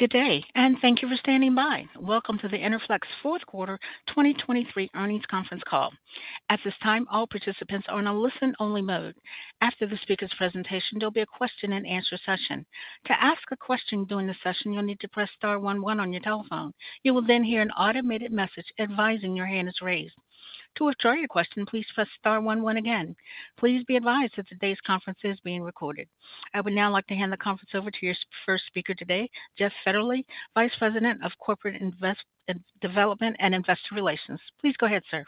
Good day, and thank you for standing by. Welcome to the Enerflex fourth quarter 2023 earnings conference call. At this time, all participants are in a listen-only mode. After the speaker's presentation, there'll be a question-and-answer session. To ask a question during the session, you'll need to press star one one on your telephone. You will then hear an automated message advising your hand is raised. To withdraw your question, please press star one one again. Please be advised that today's conference is being recorded. I would now like to hand the conference over to your first speaker today, Jeff Fetterly, Vice President of Corporate Development and Investor Relations. Please go ahead, sir.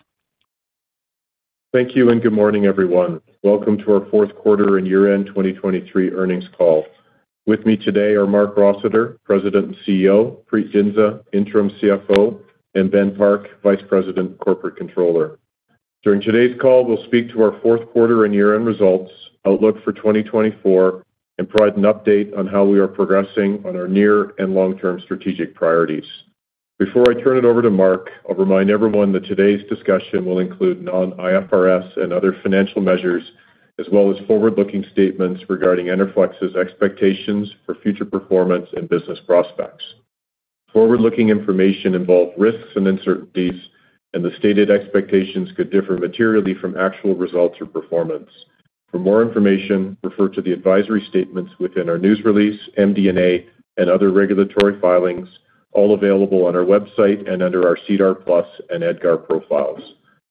Thank you, and good morning, everyone. Welcome to our fourth quarter and year-end 2023 earnings call. With me today are Marc Rossiter, President and CEO; Preet Dhindsa, Interim CFO; and Ben Park, Vice President, Corporate Controller. During today's call, we'll speak to our fourth quarter and year-end results, outlook for 2024, and provide an update on how we are progressing on our near and long-term strategic priorities. Before I turn it over to Marc, I'll remind everyone that today's discussion will include non-IFRS and other financial measures, as well as forward-looking statements regarding Enerflex's expectations for future performance and business prospects. Forward-looking information involves risks and uncertainties, and the stated expectations could differ materially from actual results or performance. For more information, refer to the advisory statements within our news release, MD&A, and other regulatory filings, all available on our website and under our SEDAR+ and EDGAR profiles.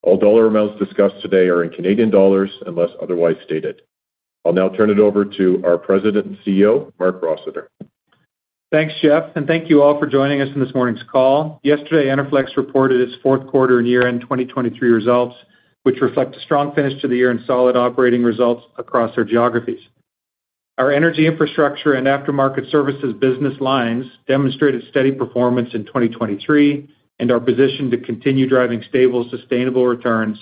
All dollar amounts discussed today are in Canadian dollars unless otherwise stated. I'll now turn it over to our President and CEO, Marc Rossiter. Thanks, Jeff, and thank you all for joining us in this morning's call. Yesterday, Enerflex reported its fourth quarter and year-end 2023 results, which reflect a strong finish to the year and solid operating results across our geographies. Our energy infrastructure and aftermarket services business lines demonstrated steady performance in 2023 and our position to continue driving stable, sustainable returns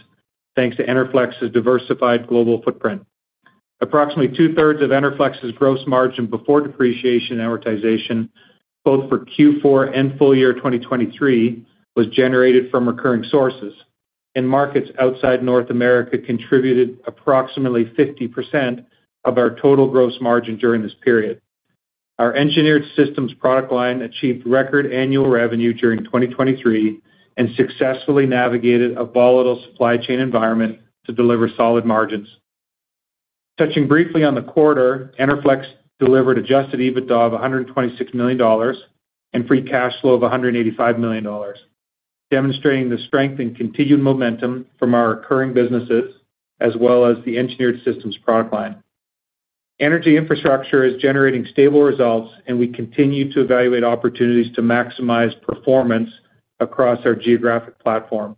thanks to Enerflex's diversified global footprint. Approximately two-thirds of Enerflex's gross margin before depreciation and amortization, both for Q4 and full year 2023, was generated from recurring sources, and markets outside North America contributed approximately 50% of our total gross margin during this period. Our engineered systems product line achieved record annual revenue during 2023 and successfully navigated a volatile supply chain environment to deliver solid margins. Touching briefly on the quarter, Enerflex delivered Adjusted EBITDA of $126 million and free cash flow of $185 million, demonstrating the strength and continued momentum from our recurring businesses as well as the Engineered Systems product line. Energy Infrastructure is generating stable results, and we continue to evaluate opportunities to maximize performance across our geographic platform.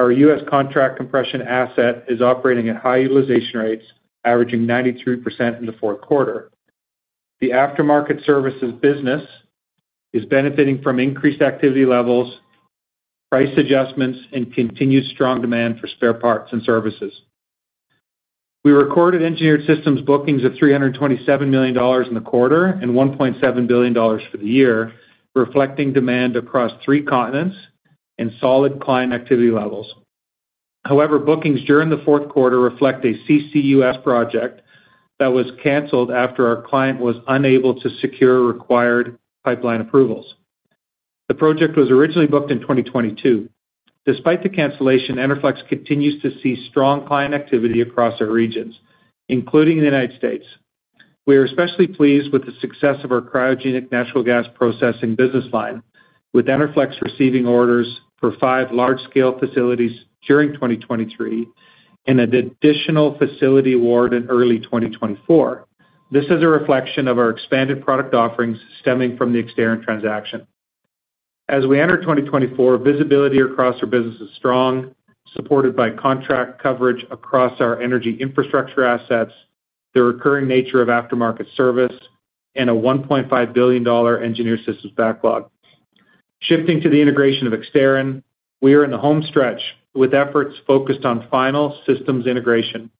Our U.S. Contract Compression asset is operating at high utilization rates, averaging 93% in the fourth quarter. The Aftermarket Services business is benefiting from increased activity levels, price adjustments, and continued strong demand for spare parts and services. We recorded Engineered Systems bookings of $327 million in the quarter and $1.7 billion for the year, reflecting demand across three continents and solid client activity levels. However, bookings during the fourth quarter reflect a CCUS project that was canceled after our client was unable to secure required pipeline approvals. The project was originally booked in 2022. Despite the cancellation, Enerflex continues to see strong client activity across our regions, including the United States. We are especially pleased with the success of our cryogenic natural gas processing business line, with Enerflex receiving orders for five large-scale facilities during 2023 and an additional facility award in early 2024. This is a reflection of our expanded product offerings stemming from the Exterran transaction. As we enter 2024, visibility across our business is strong, supported by contract coverage across our energy infrastructure assets, the recurring nature of aftermarket service, and a $1.5 billion engineered systems backlog. Shifting to the integration of Exterran, we are in the home stretch with efforts focused on final systems integration.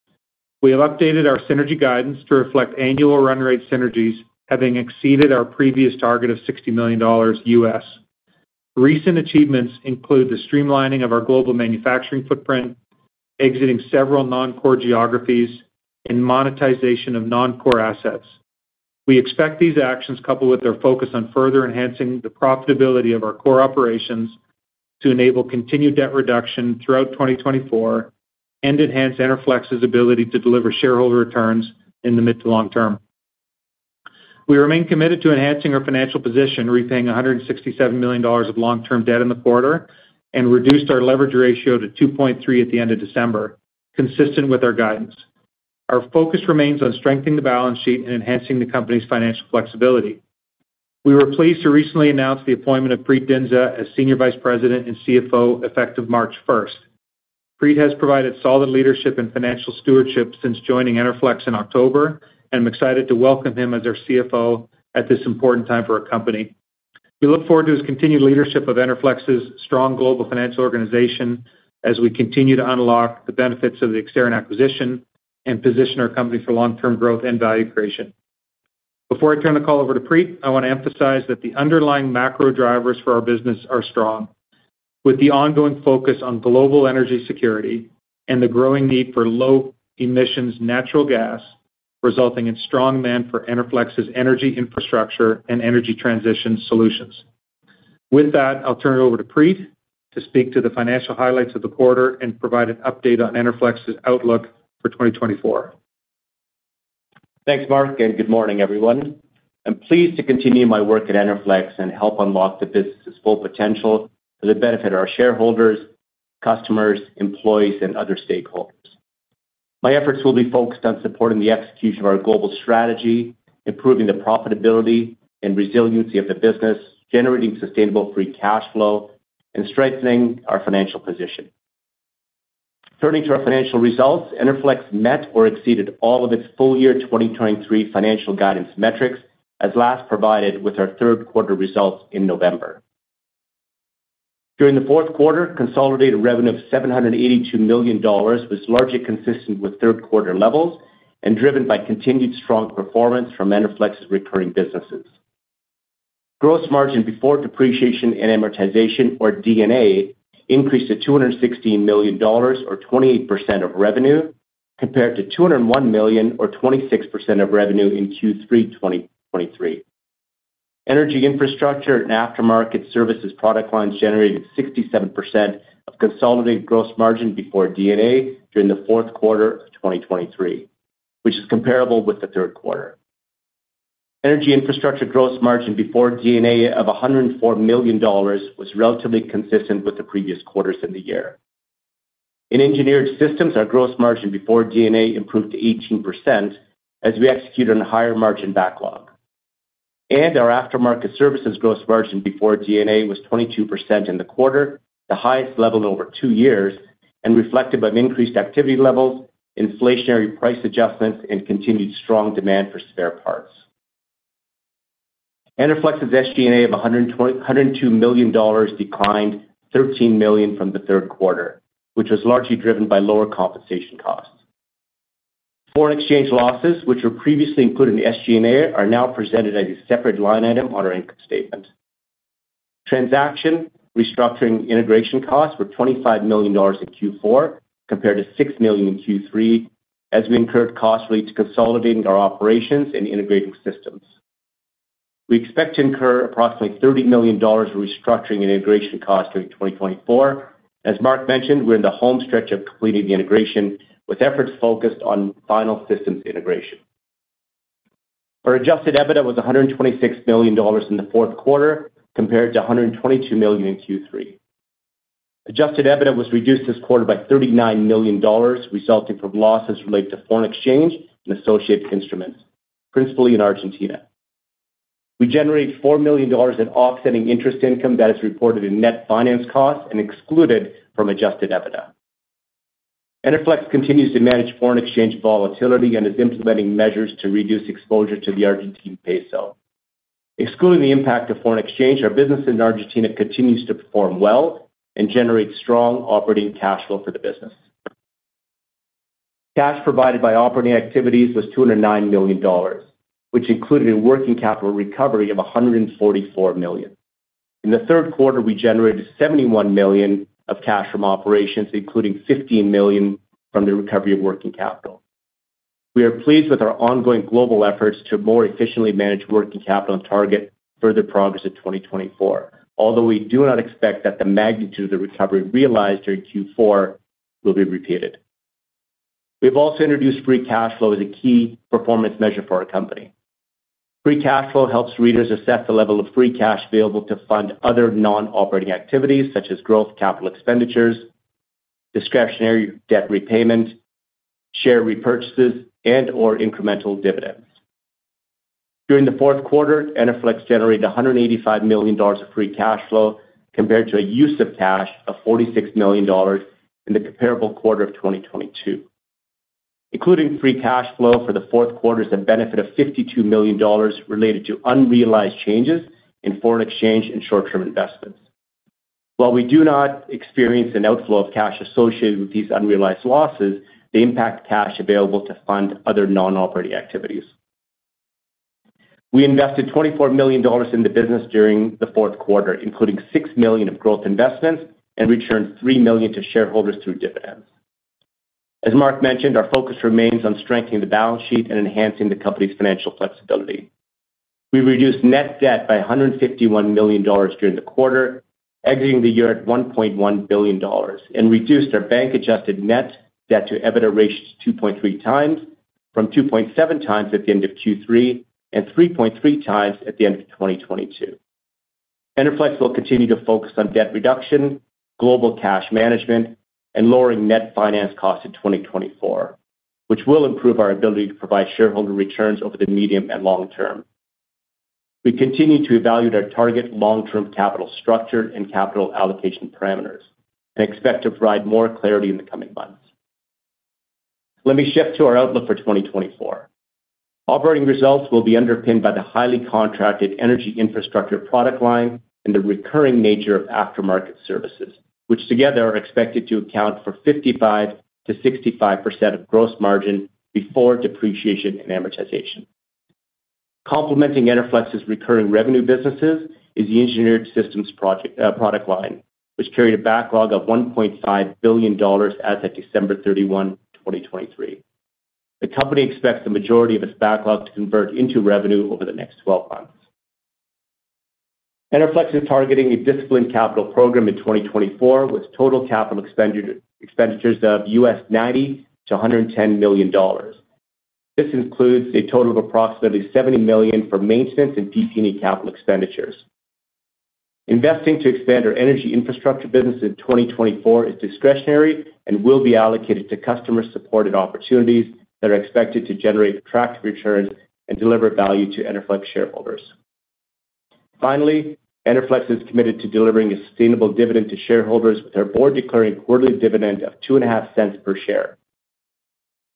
We have updated our synergy guidance to reflect annual run rate synergies having exceeded our previous target of $60 million. Recent achievements include the streamlining of our global manufacturing footprint, exiting several non-core geographies, and monetization of non-core assets. We expect these actions, coupled with our focus on further enhancing the profitability of our core operations, to enable continued debt reduction throughout 2024 and enhance Enerflex's ability to deliver shareholder returns in the mid to long term. We remain committed to enhancing our financial position, repaying 167 million dollars of long-term debt in the quarter and reduced our leverage ratio to 2.3 at the end of December, consistent with our guidance. Our focus remains on strengthening the balance sheet and enhancing the company's financial flexibility. We were pleased to recently announce the appointment of Preet Dhindsa as Senior Vice President and CFO effective March 1st. Preet has provided solid leadership and financial stewardship since joining Enerflex in October, and I'm excited to welcome him as our CFO at this important time for our company. We look forward to his continued leadership of Enerflex's strong global financial organization as we continue to unlock the benefits of the Exterran acquisition and position our company for long-term growth and value creation. Before I turn the call over to Preet, I want to emphasize that the underlying macro drivers for our business are strong. With the ongoing focus on global energy security and the growing need for low-emissions natural gas, resulting in strong demand for Enerflex's energy infrastructure and energy transition solutions. With that, I'll turn it over to Preet to speak to the financial highlights of the quarter and provide an update on Enerflex's outlook for 2024. Thanks, Marc, and good morning, everyone. I'm pleased to continue my work at Enerflex and help unlock the business's full potential to the benefit of our shareholders, customers, employees, and other stakeholders. My efforts will be focused on supporting the execution of our global strategy, improving the profitability and resiliency of the business, generating sustainable free cash flow, and strengthening our financial position. Turning to our financial results, Enerflex met or exceeded all of its full year 2023 financial guidance metrics as last provided with our third quarter results in November. During the fourth quarter, consolidated revenue of 782 million dollars was largely consistent with third quarter levels and driven by continued strong performance from Enerflex's recurring businesses. Gross margin before depreciation and amortization, or D&A, increased to 216 million dollars or 28% of revenue compared to 201 million or 26% of revenue in Q3 2023. Energy infrastructure and aftermarket services product lines generated 67% of consolidated gross margin before D&A during the fourth quarter of 2023, which is comparable with the third quarter. Energy infrastructure gross margin before D&A of 104 million dollars was relatively consistent with the previous quarters in the year. In engineered systems, our gross margin before D&A improved to 18% as we executed on a higher margin backlog. Our aftermarket services gross margin before D&A was 22% in the quarter, the highest level in over two years, and reflected by increased activity levels, inflationary price adjustments, and continued strong demand for spare parts. Enerflex's SG&A of 102 million dollars declined 13 million from the third quarter, which was largely driven by lower compensation costs. Foreign exchange losses, which were previously included in the SG&A, are now presented as a separate line item on our income statement. Transaction restructuring integration costs were 25 million dollars in Q4 compared to 6 million in Q3 as we incurred cost related to consolidating our operations and integrating systems. We expect to incur approximately 30 million dollars of restructuring and integration costs during 2024. As Marc mentioned, we're in the home stretch of completing the integration with efforts focused on final systems integration. Our Adjusted EBITDA was 126 million dollars in the fourth quarter compared to 122 million in Q3. Adjusted EBITDA was reduced this quarter by 39 million dollars, resulting from losses related to foreign exchange and associated instruments, principally in Argentina. We generated 4 million dollars in offsetting interest income that is reported in net finance costs and excluded from Adjusted EBITDA. Enerflex continues to manage foreign exchange volatility and is implementing measures to reduce exposure to the Argentine peso. Excluding the impact of foreign exchange, our business in Argentina continues to perform well and generate strong operating cash flow for the business. Cash provided by operating activities was 209 million dollars, which included a working capital recovery of 144 million. In the third quarter, we generated 71 million of cash from operations, including 15 million from the recovery of working capital. We are pleased with our ongoing global efforts to more efficiently manage working capital and target further progress in 2024, although we do not expect that the magnitude of the recovery realized during Q4 will be repeated. We have also introduced free cash flow as a key performance measure for our company. Free cash flow helps readers assess the level of free cash available to fund other non-operating activities such as growth capital expenditures, discretionary debt repayment, share repurchases, and/or incremental dividends. During the fourth quarter, Enerflex generated 185 million dollars of free cash flow compared to a use of cash of 46 million dollars in the comparable quarter of 2022. Including free cash flow for the fourth quarter is a benefit of 52 million dollars related to unrealized changes in foreign exchange and short-term investments. While we do not experience an outflow of cash associated with these unrealized losses, they impact cash available to fund other non-operating activities. We invested 24 million dollars in the business during the fourth quarter, including 6 million of growth investments, and returned 3 million to shareholders through dividends. As Marc mentioned, our focus remains on strengthening the balance sheet and enhancing the company's financial flexibility. We reduced net debt by 151 million dollars during the quarter, exiting the year at 1.1 billion dollars, and reduced our bank-adjusted net debt to EBITDA ratio to 2.3x from 2.7x at the end of Q3 and 3.3 times at the end of 2022. Enerflex will continue to focus on debt reduction, global cash management, and lowering net finance costs in 2024, which will improve our ability to provide shareholder returns over the medium and long term. We continue to evaluate our target long-term capital structure and capital allocation parameters and expect to provide more clarity in the coming months. Let me shift to our outlook for 2024. Operating results will be underpinned by the highly contracted energy infrastructure product line and the recurring nature of aftermarket services, which together are expected to account for 55%-65% of gross margin before depreciation and amortization. Complementing Enerflex's recurring revenue businesses is the engineered systems product line, which carried a backlog of $1.5 billion as of December 31, 2023. The company expects the majority of its backlog to convert into revenue over the next 12 months. Enerflex is targeting a disciplined capital program in 2024 with total capital expenditures of $90-$110 million. This includes a total of approximately $70 million for maintenance and PP&E capital expenditures. Investing to expand our energy infrastructure business in 2024 is discretionary and will be allocated to customer-supported opportunities that are expected to generate attractive returns and deliver value to Enerflex shareholders. Finally, Enerflex is committed to delivering a sustainable dividend to shareholders with our board declaring quarterly dividend of $0.005 per share.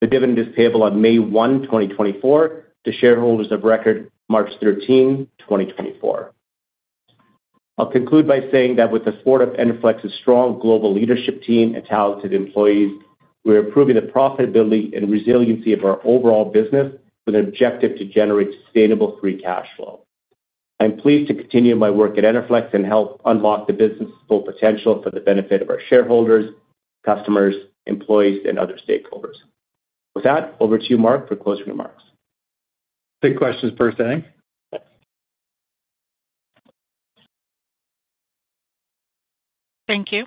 The dividend is payable on May 1, 2024, to shareholders of record March 13, 2024. I'll conclude by saying that with the support of Enerflex's strong global leadership team and talented employees, we are improving the profitability and resiliency of our overall business with an objective to generate sustainable free cash flow. I'm pleased to continue my work at Enerflex and help unlock the business's full potential for the benefit of our shareholders, customers, employees, and other stakeholders. With that, over to you, Marc, for closing remarks. Quick questions first, I think. Thank you.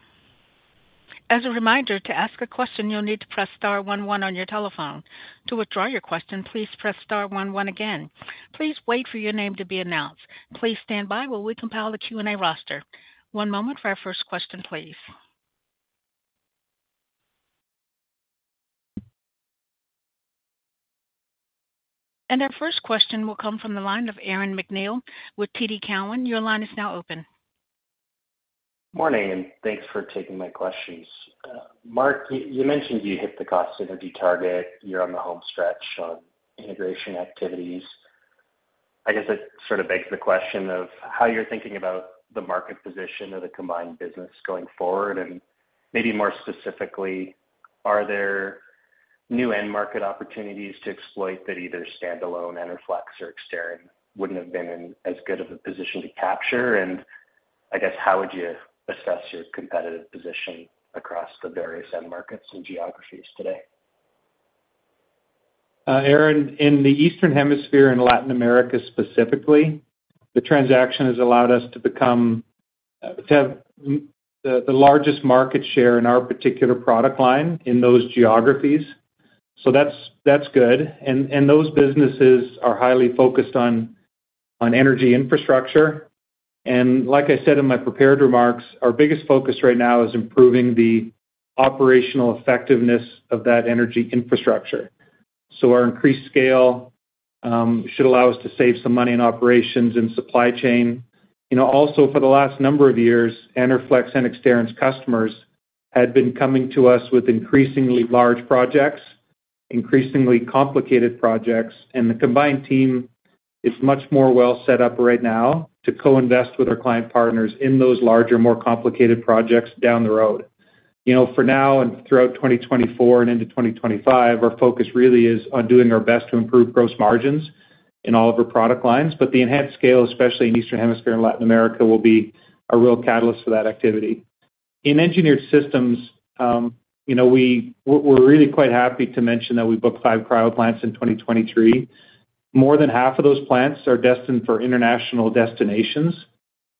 As a reminder, to ask a question, you'll need to press star one one on your telephone. To withdraw your question, please press star one one again. Please wait for your name to be announced. Please stand by while we compile the Q&A roster. One moment for our first question, please. Our first question will come from the line of Aaron MacNeil with TD Cowen. Your line is now open. Morning, and thanks for taking my questions. Marc, you mentioned you hit the cost energy target. You're on the home stretch on integration activities. I guess it sort of begs the question of how you're thinking about the market position of the combined business going forward. And maybe more specifically, are there new end-market opportunities to exploit that either standalone Enerflex or Exterran wouldn't have been in as good of a position to capture? And I guess how would you assess your competitive position across the various end markets and geographies today? Aaron, in the Eastern Hemisphere and Latin America specifically, the transaction has allowed us to become to have the largest market share in our particular product line in those geographies. So that's good. And those businesses are highly focused on energy infrastructure. And like I said in my prepared remarks, our biggest focus right now is improving the operational effectiveness of that energy infrastructure. So our increased scale should allow us to save some money in operations and supply chain. Also, for the last number of years, Enerflex and Exterran's customers had been coming to us with increasingly large projects, increasingly complicated projects. And the combined team is much more well set up right now to co-invest with our client partners in those larger, more complicated projects down the road. For now and throughout 2024 and into 2025, our focus really is on doing our best to improve gross margins in all of our product lines. But the enhanced scale, especially in Eastern Hemisphere and Latin America, will be a real catalyst for that activity. In engineered systems, we're really quite happy to mention that we booked five cryo plants in 2023. More than half of those plants are destined for international destinations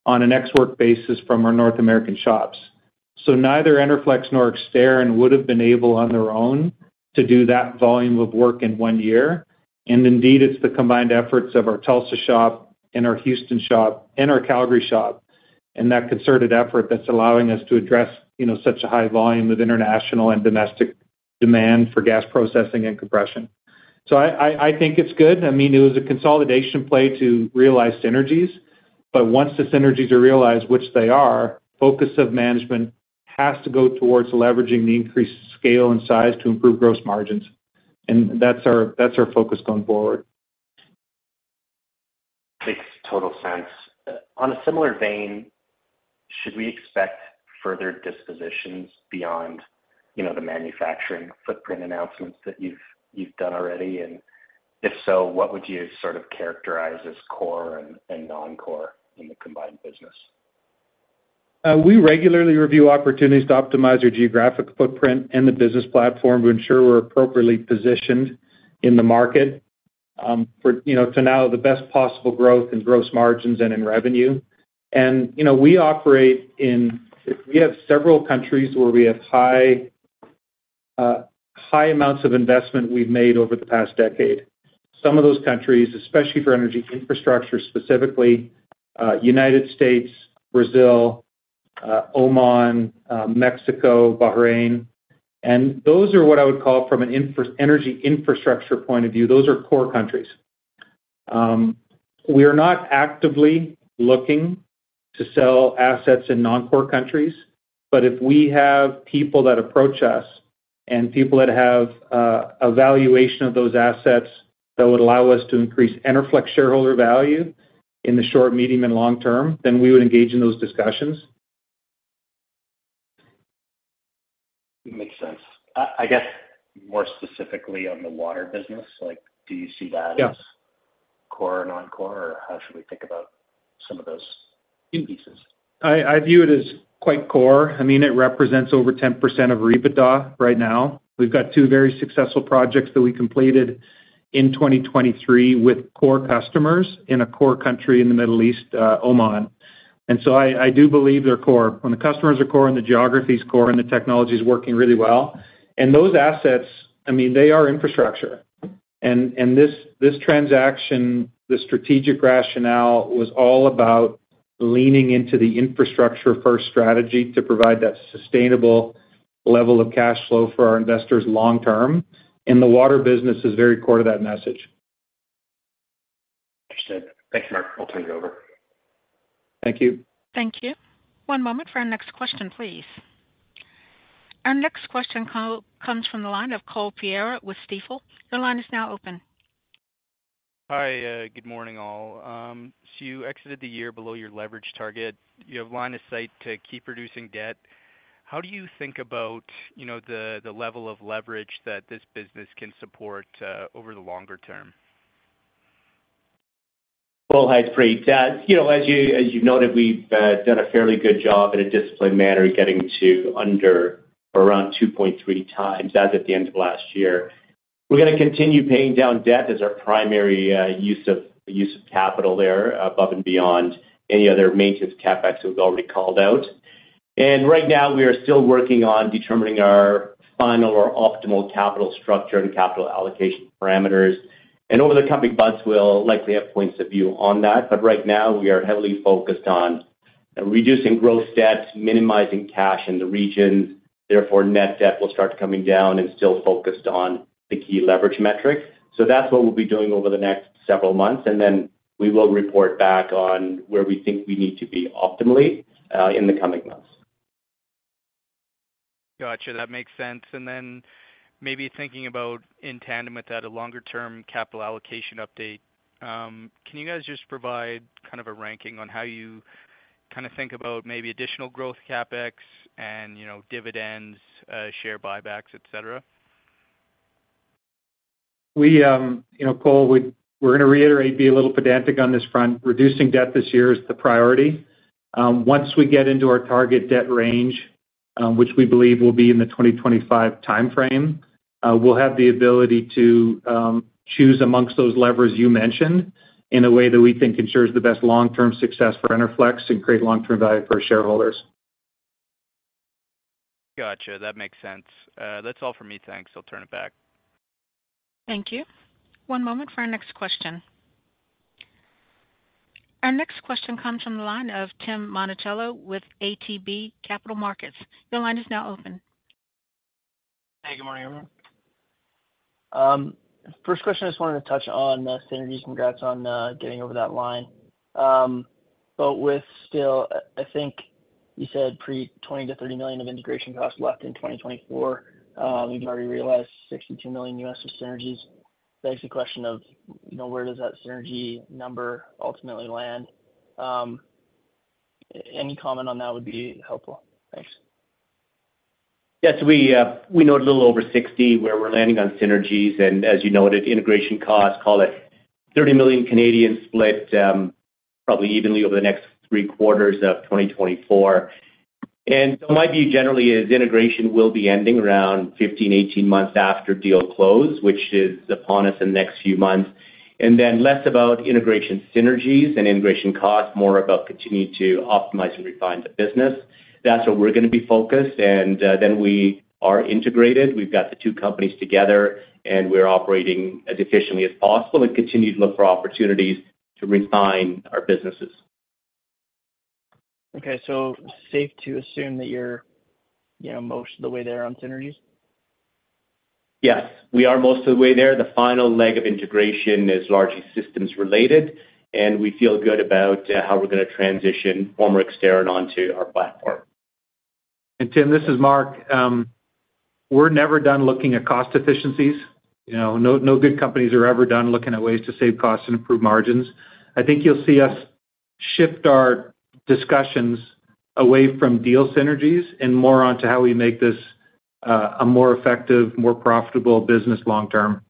on an Ex Works basis from our North American shops. So neither Enerflex nor Exterran would have been able on their own to do that volume of work in one year. And indeed, it's the combined efforts of our Tulsa shop and our Houston shop and our Calgary shop and that concerted effort that's allowing us to address such a high volume of international and domestic demand for gas processing and compression. So I think it's good. I mean, it was a consolidation play to realized synergies. But once the synergies are realized, which they are, focus of management has to go towards leveraging the increased scale and size to improve gross margins. That's our focus going forward. Makes total sense. On a similar vein, should we expect further dispositions beyond the manufacturing footprint announcements that you've done already? If so, what would you sort of characterize as core and non-core in the combined business? We regularly review opportunities to optimize our geographic footprint and the business platform to ensure we're appropriately positioned in the market to grow the best possible growth in gross margins and in revenue. And we have several countries where we have high amounts of investment we've made over the past decade. Some of those countries, especially for energy infrastructure specifically, United States, Brazil, Oman, Mexico, Bahrain. And those are what I would call, from an energy infrastructure point of view, those are core countries. We are not actively looking to sell assets in non-core countries. But if we have people that approach us and people that have a valuation of those assets that would allow us to increase Enerflex shareholder value in the short, medium, and long term, then we would engage in those discussions. Makes sense. I guess more specifically on the water business, do you see that as core or non-core, or how should we think about some of those pieces? I view it as quite core. I mean, it represents over 10% of revenue right now. We've got two very successful projects that we completed in 2023 with core customers in a core country in the Middle East, Oman. And so I do believe they're core. When the customers are core and the geography is core and the technology is working really well and those assets, I mean, they are infrastructure. And this transaction, the strategic rationale was all about leaning into the infrastructure-first strategy to provide that sustainable level of cash flow for our investors long term. And the water business is very core to that message. Understood. Thanks, Marc. I'll turn it over. Thank you. Thank you. One moment for our next question, please. Our next question comes from the line of Cole Pereira with Stifel. Your line is now open. Hi. Good morning, all. You exited the year below your leverage target. You have line of sight to keep producing debt. How do you think about the level of leverage that this business can support over the longer term? Well, hi, Preet. As you've noted, we've done a fairly good job in a disciplined manner getting to under or around 2.3x as of the end of last year. We're going to continue paying down debt as our primary use of capital there above and beyond any other maintenance CapEx that we've already called out. And right now, we are still working on determining our final or optimal capital structure and capital allocation parameters. And over the coming months, we'll likely have points of view on that. But right now, we are heavily focused on reducing gross debt, minimizing cash in the regions. Therefore, net debt will start coming down and still focused on the key leverage metric. So that's what we'll be doing over the next several months. And then we will report back on where we think we need to be optimally in the coming months. Gotcha. That makes sense. And then maybe thinking about in tandem with that, a longer-term capital allocation update, can you guys just provide kind of a ranking on how you kind of think about maybe additional growth CapEx and dividends, share buybacks, etc.? Cole, we're going to reiterate, be a little pedantic on this front. Reducing debt this year is the priority. Once we get into our target debt range, which we believe will be in the 2025 timeframe, we'll have the ability to choose amongst those levers you mentioned in a way that we think ensures the best long-term success for Enerflex and create long-term value for our shareholders. Gotcha. That makes sense. That's all for me. Thanks. I'll turn it back. Thank you. One moment for our next question. Our next question comes from the line of Tim Monachello with ATB Capital Markets. Your line is now open. Hey. Good morning, everyone. First question, I just wanted to touch on synergies. Congrats on getting over that line. But with still, I think you said pre-$20 million-$30 million of integration costs left in 2024. We've already realized $62 million of synergies. That begs the question of where does that synergy number ultimately land? Any comment on that would be helpful. Thanks. Yes. We know it's a little over 60 where we're landing on synergies. As you noted, integration costs, call it 30 million split probably evenly over the next three quarters of 2024. So my view generally is integration will be ending around 15-18 months after deal close, which is upon us in the next few months. Then less about integration synergies and integration costs, more about continuing to optimize and refine the business. That's where we're going to be focused. Then we are integrated. We've got the two companies together, and we're operating as efficiently as possible and continue to look for opportunities to refine our businesses. Okay. Safe to assume that you're most of the way there on synergies? Yes. We are most of the way there. The final leg of integration is largely systems-related. We feel good about how we're going to transition former Exterran onto our platform. Tim, this is Marc. We're never done looking at cost efficiencies. No good companies are ever done looking at ways to save costs and improve margins. I think you'll see us shift our discussions away from deal synergies and more onto how we make this a more effective, more profitable business long term.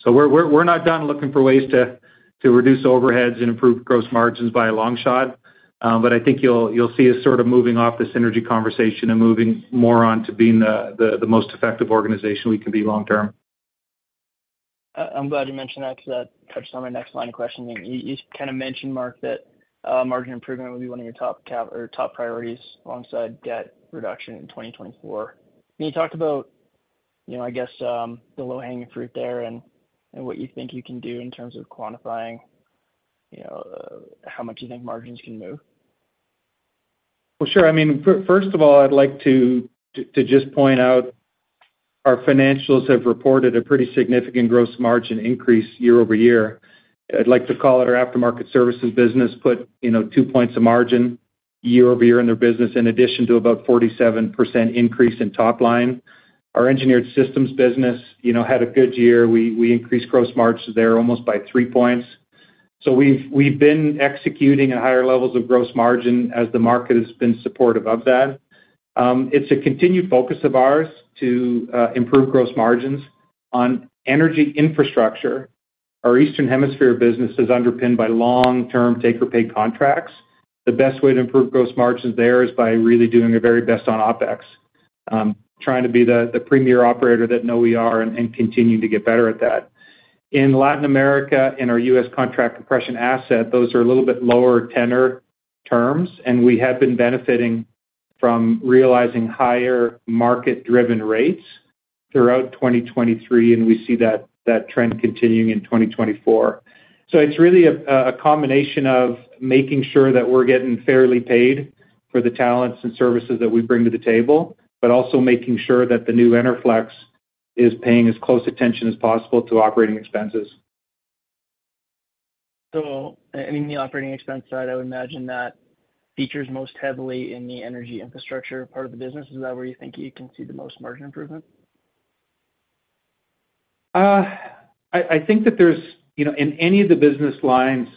So we're not done looking for ways to reduce overheads and improve gross margins by a long shot. But I think you'll see us sort of moving off the synergy conversation and moving more onto being the most effective organization we can be long term. I'm glad you mentioned that because that touched on my next line of questioning. You kind of mentioned, Marc, that margin improvement would be one of your top priorities alongside debt reduction in 2024. Can you talk about, I guess, the low-hanging fruit there and what you think you can do in terms of quantifying how much you think margins can move? Well, sure. I mean, first of all, I'd like to just point out our financials have reported a pretty significant gross margin increase year-over-year. I'd like to call it our After-Market Services business put two points of margin year-over-year in their business in addition to about 47% increase in top line. Our Engineered Systems business had a good year. We increased gross margins there almost by three points. So we've been executing at higher levels of gross margin as the market has been supportive of that. It's a continued focus of ours to improve gross margins. On Energy Infrastructure, our Eastern Hemisphere business is underpinned by long-term take-or-pay contracts. The best way to improve gross margins there is by really doing our very best on OpEx, trying to be the premier operator that know we are and continuing to get better at that. In Latin America and our U.S. Contract Compression asset, those are a little bit lower tenor terms. We have been benefiting from realizing higher market-driven rates throughout 2023. We see that trend continuing in 2024. It's really a combination of making sure that we're getting fairly paid for the talents and services that we bring to the table, but also making sure that the new Enerflex is paying as close attention as possible to operating expenses. I mean, the operating expense side, I would imagine that features most heavily in the Energy Infrastructure part of the business. Is that where you think you can see the most margin improvement? I think that there's, in any of the business lines,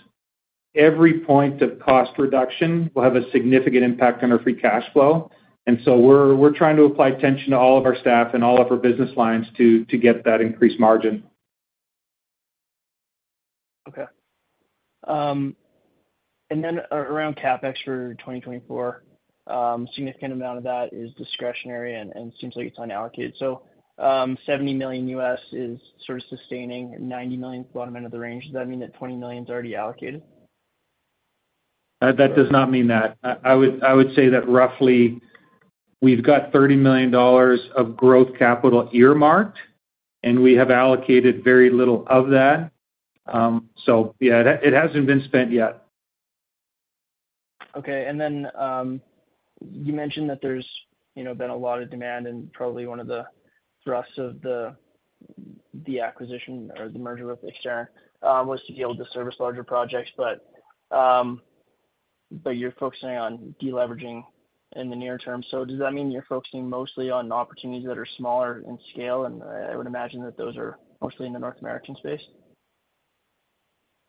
every point of cost reduction will have a significant impact on our free cash flow. So we're trying to apply tension to all of our staff and all of our business lines to get that increased margin. Okay. Then around CapEx for 2024, a significant amount of that is discretionary and seems like it's unallocated. $70 million is sort of sustaining $90 million full end of the range. Does that mean that $20 million is already allocated? That does not mean that. I would say that roughly, we've got $30 million of growth capital earmarked, and we have allocated very little of that. So yeah, it hasn't been spent yet. Okay. And then you mentioned that there's been a lot of demand. And probably one of the thrusts of the acquisition or the merger with Exterran was to be able to service larger projects. But you're focusing on deleveraging in the near term. So does that mean you're focusing mostly on opportunities that are smaller in scale? And I would imagine that those are mostly in the North American space.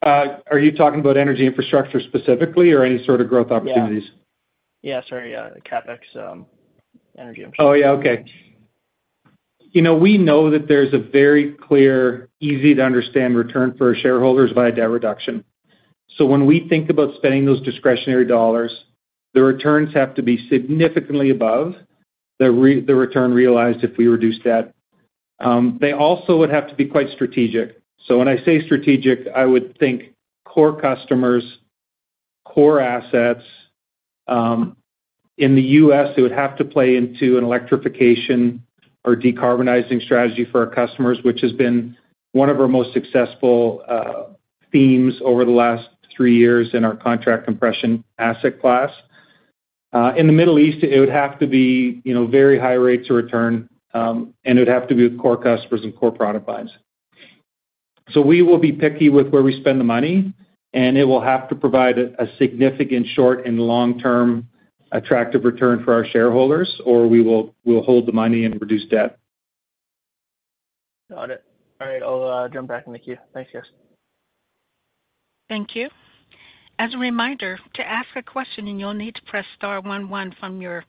Are you talking about energy infrastructure specifically or any sort of growth opportunities? Yeah. Yeah. Sorry. CapEx energy, I'm sorry. Oh, yeah. Okay. We know that there's a very clear, easy-to-understand return for our shareholders via debt reduction. So when we think about spending those discretionary dollars, the returns have to be significantly above the return realized if we reduce debt. They also would have to be quite strategic. So when I say strategic, I would think core customers, core assets. In the U.S., it would have to play into an electrification or decarbonizing strategy for our customers, which has been one of our most successful themes over the last three years in our contract compression asset class. In the Middle East, it would have to be very high rates of return. And it would have to be with core customers and core product lines. So we will be picky with where we spend the money. It will have to provide a significant short and long-term attractive return for our shareholders, or we will hold the money and reduce debt. Got it. All right. I'll jump back in the queue. Thanks, guys. Thank you. As a reminder, to ask a question, you'll need to press star 11 on your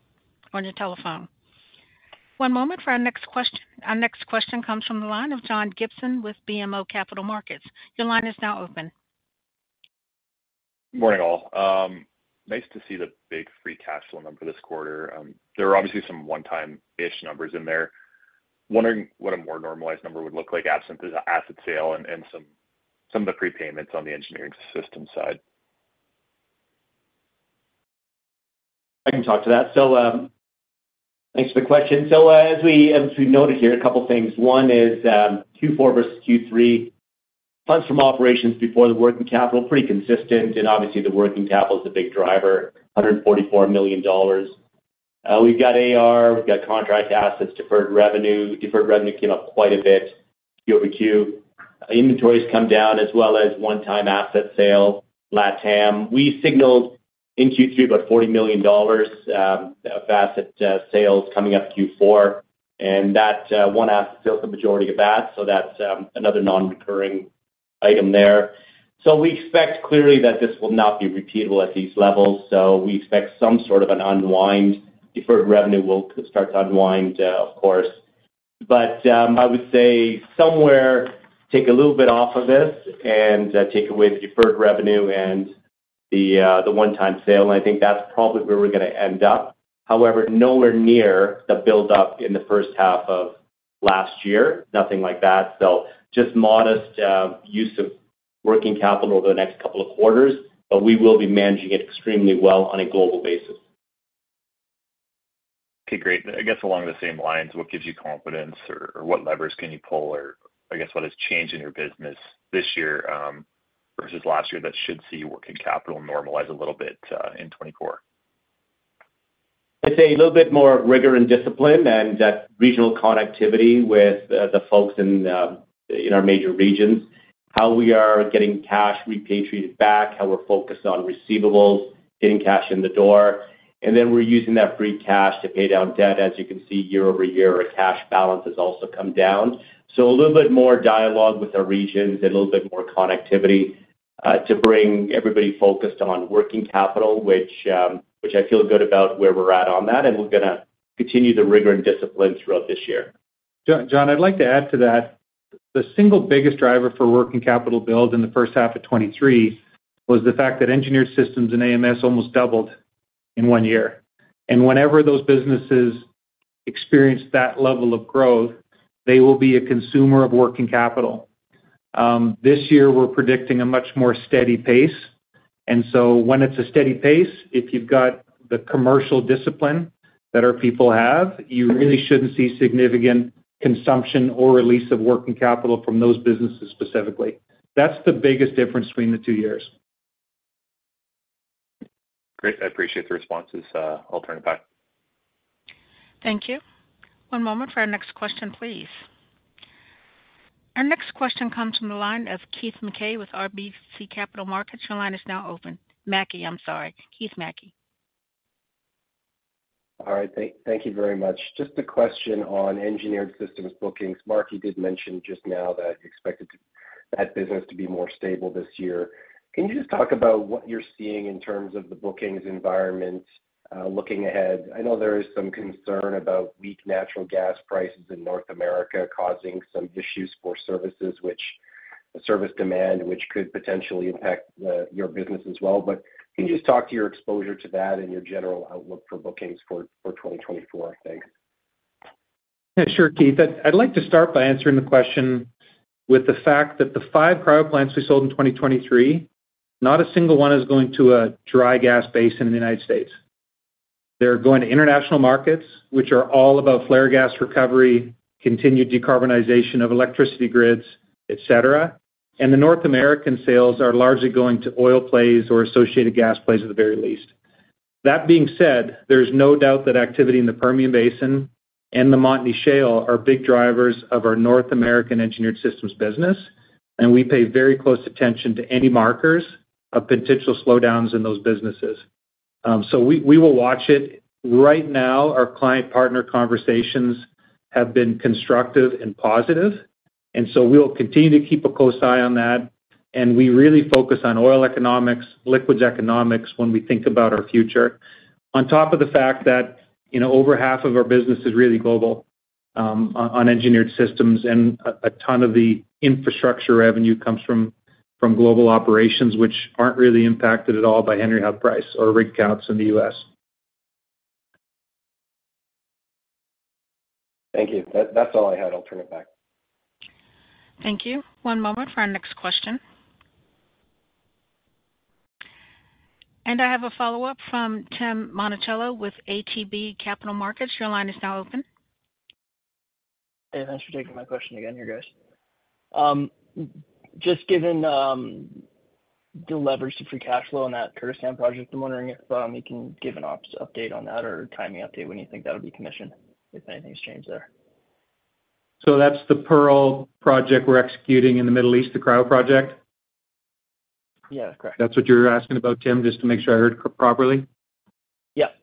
telephone. One moment for our next question. Our next question comes from the line of John Gibson with BMO Capital Markets. Your line is now open. Morning, all. Nice to see the big free cash flow number this quarter. There are obviously some one-time-ish numbers in there. Wondering what a more normalized number would look like absent the asset sale and some of the prepayments on the engineering system side. I can talk to that. So thanks for the question. So as we noted here, a couple of things. One is Q4 versus Q3, funds from operations before the working capital, pretty consistent. And obviously, the working capital is the big driver, 144 million dollars. We've got AR. We've got contract assets, deferred revenue. Deferred revenue came up quite a bit Q over Q. Inventories come down as well as one-time asset sale, LATAM. We signaled in Q3 about 40 million dollars of asset sales coming up Q4. And that one asset sales is the majority of that. So that's another non-recurring item there. So we expect clearly that this will not be repeatable at these levels. So we expect some sort of an unwind. Deferred revenue will start to unwind, of course. I would say somewhere, take a little bit off of this and take away the deferred revenue and the one-time sale. I think that's probably where we're going to end up. However, nowhere near the buildup in the first half of last year. Nothing like that. Just modest use of working capital over the next couple of quarters. We will be managing it extremely well on a global basis. Okay. Great. I guess along the same lines, what gives you confidence or what levers can you pull? Or I guess what has changed in your business this year versus last year that should see working capital normalize a little bit in 2024? It's a little bit more rigor and discipline and that regional connectivity with the folks in our major regions, how we are getting cash repatriated back, how we're focused on receivables, getting cash in the door. And then we're using that free cash to pay down debt. As you can see, year-over-year, our cash balance has also come down. So a little bit more dialogue with our regions and a little bit more connectivity to bring everybody focused on working capital, which I feel good about where we're at on that. And we're going to continue the rigor and discipline throughout this year. John, I'd like to add to that. The single biggest driver for working capital build in the first half of 2023 was the fact that Engineered Systems and AMS almost doubled in one year. And whenever those businesses experience that level of growth, they will be a consumer of working capital. This year, we're predicting a much more steady pace. And so when it's a steady pace, if you've got the commercial discipline that our people have, you really shouldn't see significant consumption or release of working capital from those businesses specifically. That's the biggest difference between the two years. Great. I appreciate the responses. I'll turn it back. Thank you. One moment for our next question, please. Our next question comes from the line of Keith Mackey with RBC Capital Markets. Your line is now open. Mackey, I'm sorry. Keith Mackey. All right. Thank you very much. Just a question on engineered systems bookings. Marc, you did mention just now that you expected that business to be more stable this year. Can you just talk about what you're seeing in terms of the bookings environment looking ahead? I know there is some concern about weak natural gas prices in North America causing some issues for services, which could potentially impact your business as well. But can you just talk to your exposure to that and your general outlook for bookings for 2024? Thanks. Yeah. Sure, Keith. I'd like to start by answering the question with the fact that the five cryoplants we sold in 2023, not a single one is going to a dry gas basin in the United States. They're going to international markets, which are all about flare gas recovery, continued decarbonization of electricity grids, etc. And the North American sales are largely going to oil plays or associated gas plays at the very least. That being said, there's no doubt that activity in the Permian Basin and the Montney are big drivers of our North American engineered systems business. And we pay very close attention to any markers of potential slowdowns in those businesses. So we will watch it. Right now, our client-partner conversations have been constructive and positive. And so we'll continue to keep a close eye on that. We really focus on oil economics, liquids economics when we think about our future, on top of the fact that over half of our business is really global on Engineered Systems. A ton of the infrastructure revenue comes from global operations, which aren't really impacted at all by Henry Hub or rig counts in the U.S. Thank you. That's all I had. I'll turn it back. Thank you. One moment for our next question. I have a follow-up from Tim Monticello with ATB Capital Markets. Your line is now open. Hey. Thanks for taking my question again, you guys. Just given the leverage to free cash flow on that Kurdistan project, I'm wondering if you can give an update on that or a timing update when you think that'll be commissioned, if anything's changed there. That's the Pearl project we're executing in the Middle East, the cryo project? Yeah. Correct. That's what you were asking about, Tim, just to make sure I heard properly? Yep.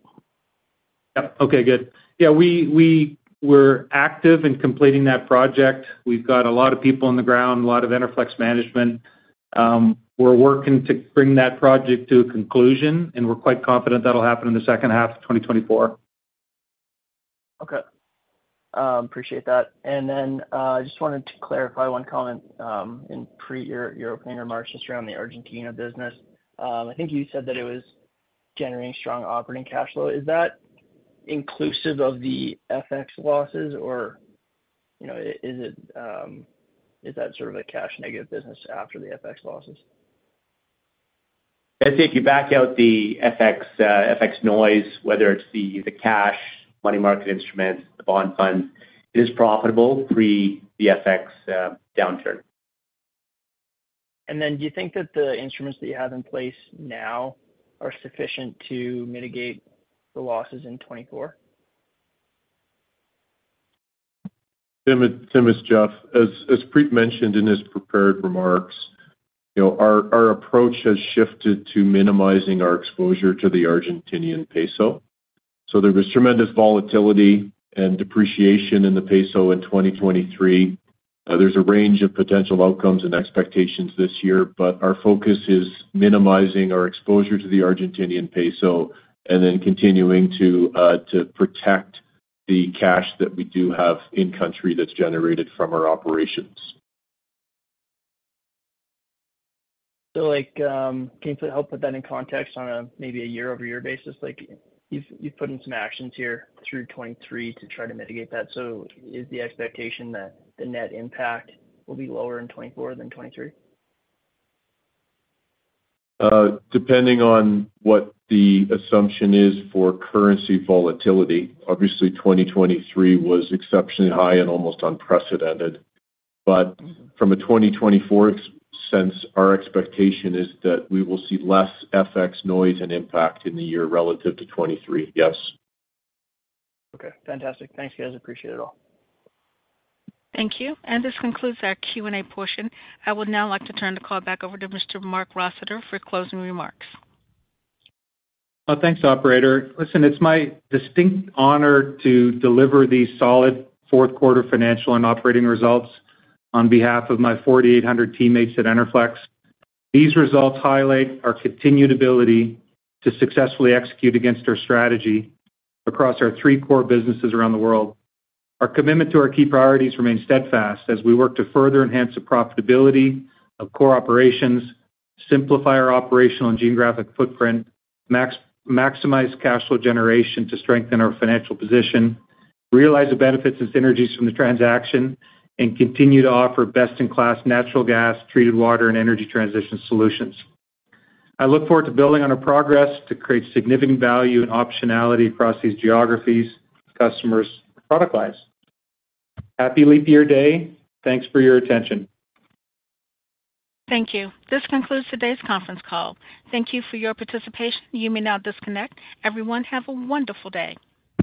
Yep. Okay. Good. Yeah. We're active in completing that project. We've got a lot of people on the ground, a lot of Enerflex management. We're working to bring that project to a conclusion. And we're quite confident that'll happen in the second half of 2024. Okay. Appreciate that. Then I just wanted to clarify one comment in Preet's opening remarks just around the Argentina business. I think you said that it was generating strong operating cash flow. Is that inclusive of the FX losses? Or is that sort of a cash-negative business after the FX losses? I'd say if you back out the FX noise, whether it's the cash, money market instruments, the bond funds, it is profitable pre the FX downturn. And then do you think that the instruments that you have in place now are sufficient to mitigate the losses in 2024? Tim is Jeff. As Preet mentioned in his prepared remarks, our approach has shifted to minimizing our exposure to the Argentine peso. There was tremendous volatility and depreciation in the peso in 2023. There's a range of potential outcomes and expectations this year. But our focus is minimizing our exposure to the Argentine peso and then continuing to protect the cash that we do have in-country that's generated from our operations. So can you help put that in context on a maybe a year-over-year basis? You've put in some actions here through 2023 to try to mitigate that. So is the expectation that the net impact will be lower in 2024 than 2023? Depending on what the assumption is for currency volatility. Obviously, 2023 was exceptionally high and almost unprecedented. But from a 2024 sense, our expectation is that we will see less FX noise and impact in the year relative to 2023. Yes. Okay. Fantastic. Thanks, guys. Appreciate it all. Thank you. This concludes our Q&A portion. I would now like to turn the call back over to Mr. Marc Rossiter for closing remarks. Thanks, operator. Listen, it's my distinct honor to deliver these solid fourth-quarter financial and operating results on behalf of my 4,800 teammates at Enerflex. These results highlight our continued ability to successfully execute against our strategy across our three core businesses around the world. Our commitment to our key priorities remains steadfast as we work to further enhance the profitability of core operations, simplify our operational and geographic footprint, maximize cash flow generation to strengthen our financial position, realize the benefits and synergies from the transaction, and continue to offer best-in-class natural gas, treated water, and energy transition solutions. I look forward to building on our progress to create significant value and optionality across these geographies, customers, product lines. Happy leap year day. Thanks for your attention. Thank you. This concludes today's conference call. Thank you for your participation. You may now disconnect. Everyone, have a wonderful day.